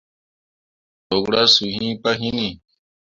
Ɗukra suu iŋ pah hinni.